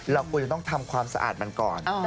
เราควรจะต้องทำความสะอาดมันก่อน